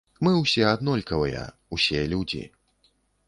Мы ўсе аднолькавыя, усе людзі.